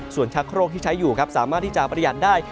ส่วนชักโครกที่ใช้อยู่ครับสามารถที่จะประหยัดได้